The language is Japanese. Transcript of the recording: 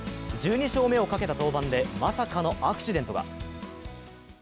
１２勝目をかけた登板で、まさかのアクシデントが。